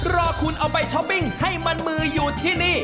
รอคุณเอาไปช้อปปิ้งให้มันมืออยู่ที่นี่